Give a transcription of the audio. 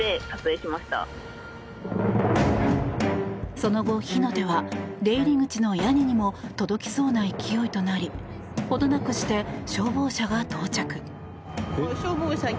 その後、火の手は出入り口の屋根にも届きそうな勢いとなり程なくして消防車が到着。